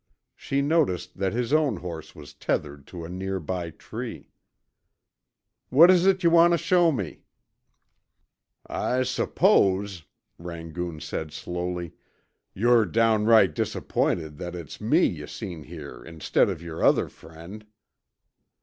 She noticed that his own horse was tethered to a near by tree. "What is it you want to show me?" "I suppose," Rangoon said slowly, "you're downright disappointed that it's me yuh seen here instead of yer other friend."